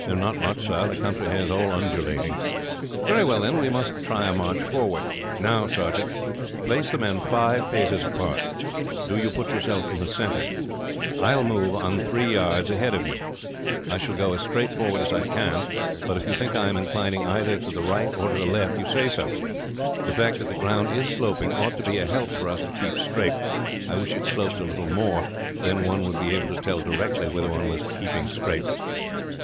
"Not much sir. The country here is all undulating." "Very well, then, we must try a march forward. Now, sergeant, place the men five paces apart. Do you put yourself in the center. I will move on three yards ahead of you. I shall go as straight forward as I can, but if you think I am inclining either to the right or left you say so. The fact that the ground is sloping ought to be a help to us to keep straight. I wish it sloped a little more, then one would be able to tell directly whether one was keeping straight.